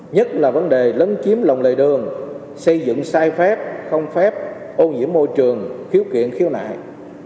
nhất là vấn đề lấn chiếm lòng lề đường xây dựng sai phép không phép ô nhiễm môi trường khiếu kiện khiếu nại